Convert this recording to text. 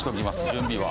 準備は。